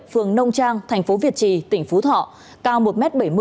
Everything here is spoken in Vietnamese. phường nông trang thành phố việt trì tỉnh phú thọ cao một m bảy mươi